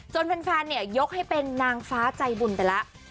แฟนเนี่ยยกให้เป็นนางฟ้าใจบุญไปแล้ว